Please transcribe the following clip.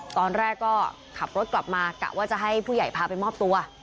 ตอนแรกก็ขับรถกลับมากะว่าจะให้ผู้ใหญ่พาไปมอบตัว